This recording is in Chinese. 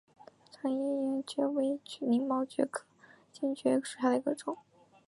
长叶黔蕨为鳞毛蕨科黔蕨属下的一个种。